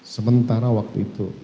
sementara waktu itu